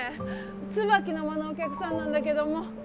椿の間のお客さんなんだけども。